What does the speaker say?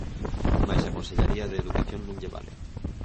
Mais á Consellaría de Educación non lle vale.